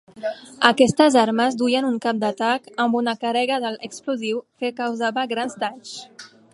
Aquestes armes duien un cap d'atac amb una càrrega d'alt explosiu que causava grans danys.